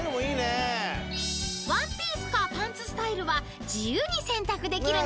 ［ワンピースかパンツスタイルは自由に選択できるんです］